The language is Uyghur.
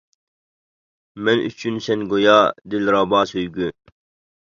مەن ئۈچۈن سەن گويا دىلرەبا سۆيگۈ.